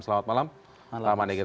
selamat malam manegir